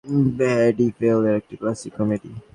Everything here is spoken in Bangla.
স্যার, এটা তামিল ফিল্মে ভাদিভেলের একটা ক্লাসিক কমেডি।